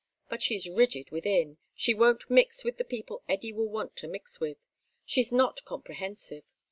But she's rigid within; she won't mix with the people Eddy will want to mix with. She's not comprehensive.